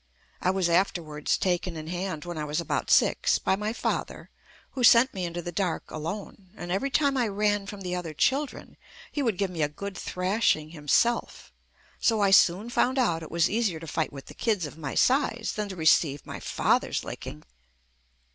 I was afterwards taken in hand when I was about six by my father, who sent me into the dark alone, and every time I ran from the other children he would give me a good thrashing himself, so I soon found out it was easier to fight with the kids of my size than to receive my father's licking.